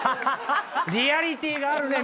リアリティーがあるね